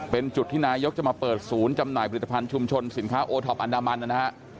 เป็นจุดที่นายกจะมาเปิดศูนย์จำหน่ายผลิตภัณฑ์ชุมชนสินค้าโอท็อปอันดามันนะฮะ